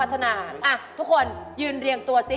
ทุกคนยืนเรียงตัวซิ